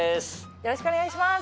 よろしくお願いします。